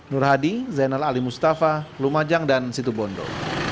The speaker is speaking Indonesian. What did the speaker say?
nur hadi zainal ali mustafa lumajang dan situ bondo